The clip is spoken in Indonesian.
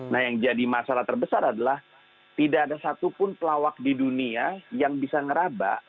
nah yang jadi masalah terbesar adalah tidak ada satupun pelawak di dunia yang bisa ngerabak